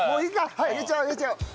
はいあげちゃおうあげちゃおう。